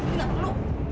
juli gak perlu